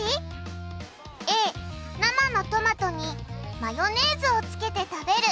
Ａ生のトマトにマヨネーズをつけて食べる。